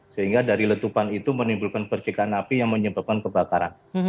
sehingga dari letupan itu menimbulkan percikan api yang menyebabkan kebakaran